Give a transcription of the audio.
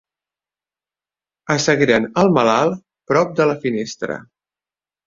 Assegueren el malalt prop de la finestra.